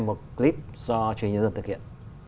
một clip do truyền nhân dân thực hiện